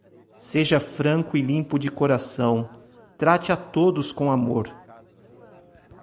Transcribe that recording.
Seja franco e limpo de coração, trate a todos com amor.